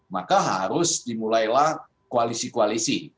maka harus dimulailah koalisi koalisi